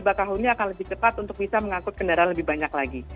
bakahuni akan lebih cepat untuk bisa mengangkut kendaraan lebih banyak lagi